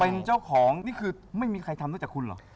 เป็นเจ้าของนี่คือไม่มีใครทำได้จากคุณเหรอ